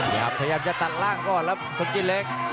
อย่าพยายามจะตัดล่างก่อนแล้วสกิเล็ก